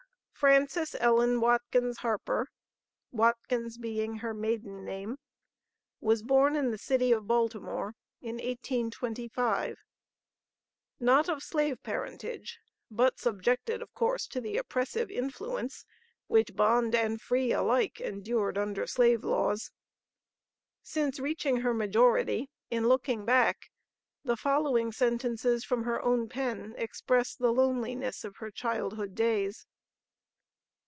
Frances Ellen Watkins Harper (Watkins being her maiden name) was born in the City of Baltimore in 1825, not of slave parentage, but subjected of course to the oppressive influence which bond and free alike endured under slave laws. Since reaching her majority, in looking back, the following sentences from her own pen express the loneliness of her childhood days.